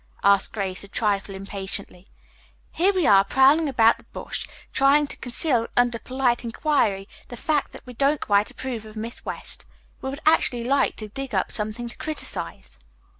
asked Grace, a trifle impatiently. "Here we are prowling about the bush, trying to conceal under polite inquiry the fact that we don't quite approve of Miss West. We would actually like to dig up something to criticize."